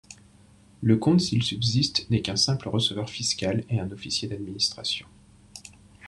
Le comte s'il subsiste n'est qu'un simple receveur fiscal et un officier d'administration.